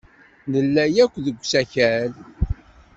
Nella akk deg usakal.